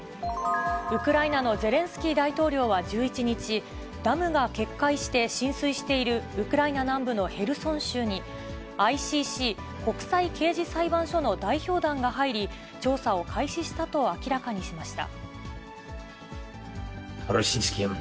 ウクライナのゼレンスキー大統領は１１日、ダムが決壊して浸水しているウクライナ南部のヘルソン州に、ＩＣＣ・国際刑事裁判所の代表団が入り、調査を開始したと明らかにしました。